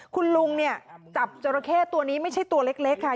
คุณลุงเนี่ยจับจราเข้ตัวนี้ไม่ใช่ตัวเล็กค่ะ